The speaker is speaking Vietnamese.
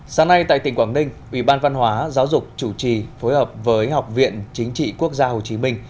sáng nay tại tỉnh quảng ninh ubnd tp cần thơ phối hợp với học viện chính trị quốc gia hồ chí minh